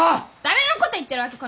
誰のこと言ってるわけ。